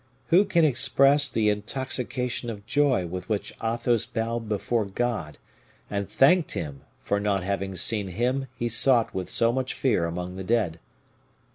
Who can express the intoxication of joy with which Athos bowed before God, and thanked Him for not having seen him he sought with so much fear among the dead?